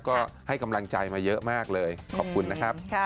ก็ให้กำลังใจมาเยอะมากเลยขอบคุณนะครับ